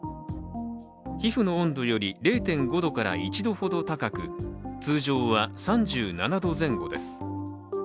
皮膚の温度より０．５度から１度ほど高く、通常は３７度前後です。